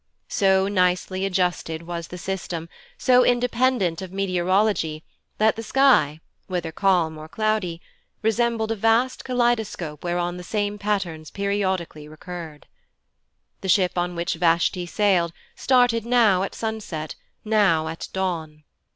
So nicely adjusted was the system, so independent of meteorology, that the sky, whether calm or cloudy, resembled a vast kaleidoscope whereon the same patterns periodically recurred. The ship on which Vashti sailed started now at sunset, now at dawn.